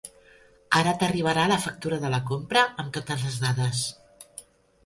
Ara t'arribarà la factura de la compra amb totes les dades.